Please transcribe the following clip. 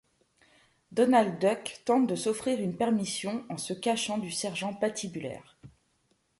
Donald Duck tente de s'offrir une permission en se cachant du Sergent Pat Hibulaire.